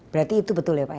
berarti itu betul ya pak